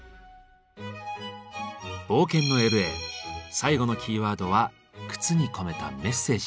冒険のＬ．Ａ．最後のキーワードは「靴に込めたメッセージ」。